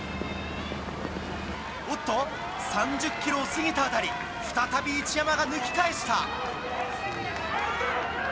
おっと、３０キロを過ぎた辺り、再び一山が抜き返した。